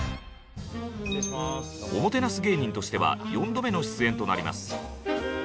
おもてなす芸人としては４度目の出演となります。